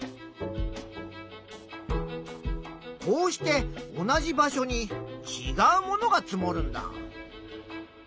こうして同じ場所にちがうものが積もるんだ。